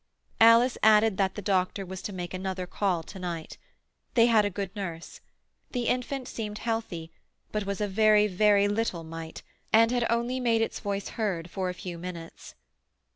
Alice added that the doctor was to make another call to night. They had a good nurse. The infant seemed healthy, but was a very, very little mite, and had only made its voice heard for a few minutes.